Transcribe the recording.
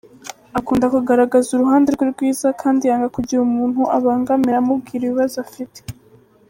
Akunda kugaragaza uruhande rwe rwiza kandi yanga kugira umuntu abangamira amubwira ibibazo afite.